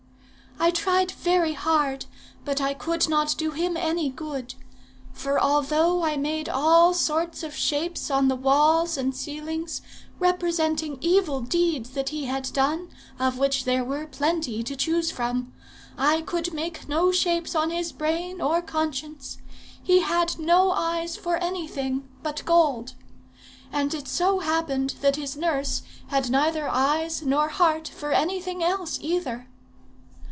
"I tried very hard, but I could not do him any good. For although I made all sorts of shapes on the walls and ceiling, representing evil deeds that he had done, of which there were plenty to choose from, I could make no shapes on his brain or conscience. He had no eyes for anything but gold. And it so happened that his nurse had neither eyes nor heart for anything else either.